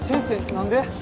何で？